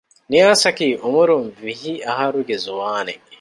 ނިޔާސަކީ އުމުރުން ވިހި އަހަރުގެ ޒުވާނެއް